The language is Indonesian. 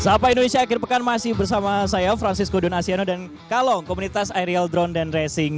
sapa indonesia akhir pekan masih bersama saya francisco donasiano dan kalong komunitas aerial drone dan racing